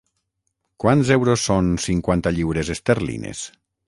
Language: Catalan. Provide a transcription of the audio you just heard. Quants euros són cinquanta lliures esterlines?